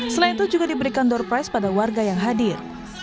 selain itu juga diberikan door price pada warga yang hadir